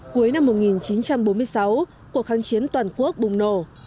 cuối năm một nghìn chín trăm bốn mươi sáu cuộc kháng chiến toàn quốc bùng nổ